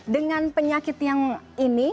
dengan penyakit yang ini